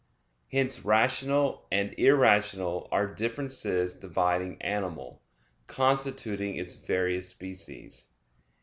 Hence "rational" and "irrational" are differences dividing animal, constituting its various species.